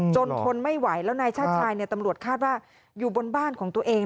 ทนไม่ไหวแล้วนายชาติชายตำรวจคาดว่าอยู่บนบ้านของตัวเอง